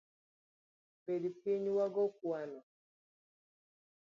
Bed piny wago kwano.